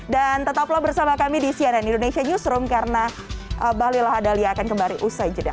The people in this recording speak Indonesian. dan tetaplah bersama kami di cnn indonesia newsroom karena balilah adalia akan kembali usai jeda